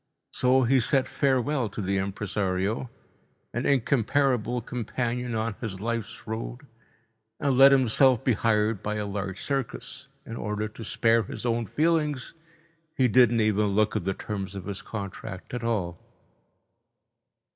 So he said farewell to the impresario, an incomparable companion on his life's road, and let himself be hired by a large circus. In order to spare his own feelings, he didn't even look at the terms of his contract at all.